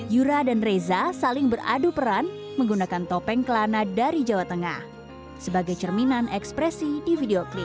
yura dan reza saling beradu peran menggunakan topeng kelana dari jawa tengah sebagai cerminan ekspresi di video klip